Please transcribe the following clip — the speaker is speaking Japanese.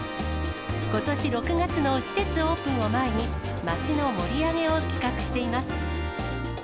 ことし６月の施設オープンを前に、街の盛り上げを企画しています。